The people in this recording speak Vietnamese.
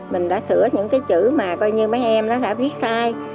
mình đã sửa những cái chữ mà coi như mấy em nó đã viết sai